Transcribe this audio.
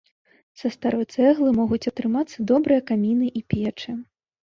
Са старой цэглы могуць атрымацца добрыя каміны і печы.